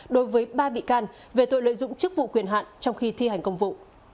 đối với ba bị can về tội lợi dụng chức vụ quyền hạn trong khi thi hành công vụ